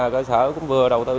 cơ sở cũng vừa đầu tư